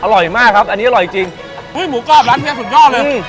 อร่อยมากครับอันนี้อร่อยจริงจริงอุ้ยหมูกรอบร้านเนี้ยสุดยอดเลยอืม